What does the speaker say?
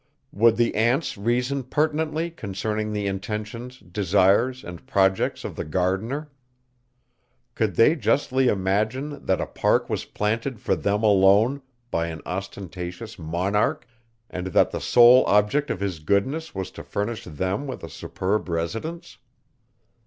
Would the ants reason pertinently concerning the intentions, desires, and projects of the gardener? Could they justly imagine, that a park was planted for them alone, by an ostentatious monarch, and that the sole object of his goodness was to furnish them with a superb residence?